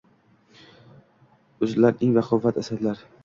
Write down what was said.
Uzilar eng baquvvat asablar.